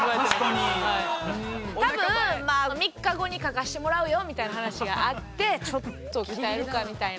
多分３日後に描かしてもらうよみたいな話があってちょっと鍛えるかみたいな。